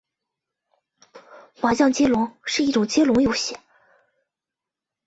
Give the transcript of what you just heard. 麻将接龙是一种接龙游戏。